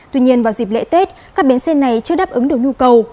tuy nhiên vào dịp lễ tết các bến xe này chưa đáp ứng được nhu cầu